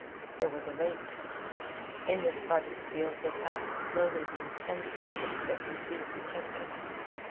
There was a wait. In this part of the field there passed slowly the intense moments that precede the tempest.